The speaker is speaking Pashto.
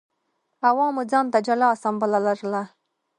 عوامو ځان ته جلا اسامبله لرله